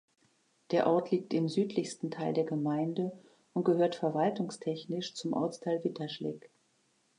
Der Ort liegt im südlichsten Teil der Gemeinde und gehört verwaltungstechnisch zum Ortsteil Witterschlick.